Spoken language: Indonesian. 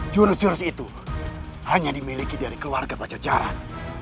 jurus jurus itu hanya dimiliki dari keluarga pacaran